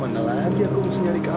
mana lagi aku mau cari kamera